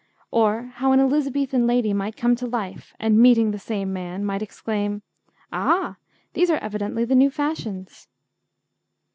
Or how an Elizabethan lady might come to life, and, meeting the same man, might exclaim, 'Ah! these are evidently the new fashions.'